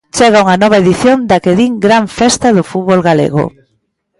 Chega unha nova edición da que din gran festa do fútbol galego.